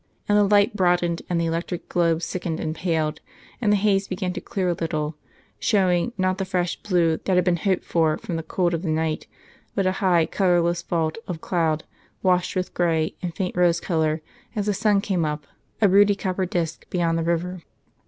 And the light broadened and the electric globes sickened and paled, and the haze began to clear a little, showing, not the fresh blue that had been hoped for from the cold of the night, but a high, colourless vault of cloud, washed with grey and faint rose colour, as the sun came up, a ruddy copper disc, beyond the river.